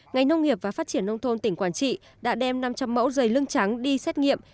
ngành nông nghiệp và phát triển nông thôn tỉnh quảng trị đã đem năm trăm linh mẫu dày lưng trắng đi xét nghiệm